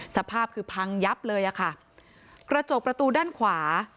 สภาพคือพังยับเลยอะค่ะกระจกประตูด้านขวา